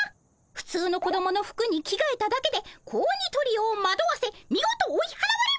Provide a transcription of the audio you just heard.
普通の子供の服に着替えただけで子鬼トリオをまどわせ見事追い払われました！